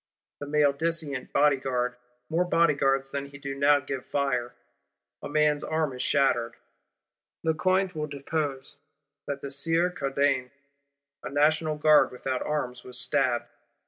The maledicent Bodyguard, more Bodyguards than he do now give fire; a man's arm is shattered. Lecointre will depose that "the Sieur Cardaine, a National Guard without arms, was stabbed."